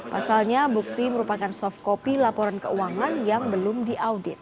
pasalnya bukti merupakan soft copy laporan keuangan yang belum diaudit